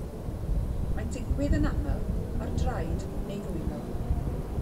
Mae'n digwydd yn aml ar draed neu ddwylo.